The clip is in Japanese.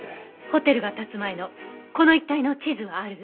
ホテルが建つ前のこの一帯の地図はある？